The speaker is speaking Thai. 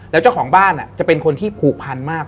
แล้วเจ้าของบ้านจะเป็นคนที่ผูกพันมาก